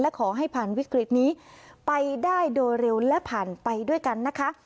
ขอให้ผ่านวิกฤตนี้ไปได้โดยเร็วและผ่านไปด้วยกันนะคะ